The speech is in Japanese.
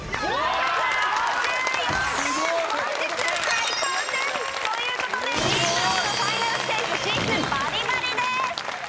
本日最高点。ということでＤグループのファイナルステージ進出バリバリです。